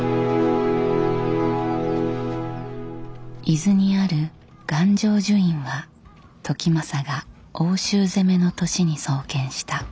伊豆にある願成就院は時政が奥州攻めの年に創建した。